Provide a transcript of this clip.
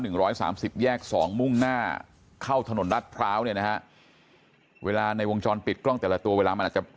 ร้อยสามสิบแยกสองมุ่งหน้าเข้าถนนรัฐพร้าวเนี่ยนะฮะเวลาในวงจรปิดกล้องแต่ละตัวเวลามันอาจจะ